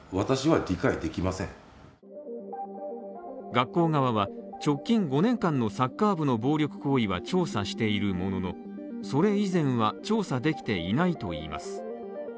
学校側は直近５年間のサッカー部の暴力行為は調査しているもののそれ以前は調査できていないといいます。